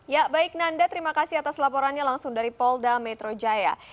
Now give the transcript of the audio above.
ya baik nanda terima kasih atas laporannya langsung dari polda metro jaya